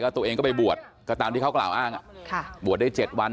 ตัวเองก็ไปบวชก็ตามที่เขากล่าวอ้างบวชได้๗วัน